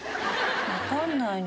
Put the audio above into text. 分かんないの。